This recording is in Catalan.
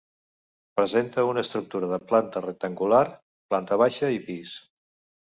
Presenta una estructura de planta rectangular, planta baixa i pis.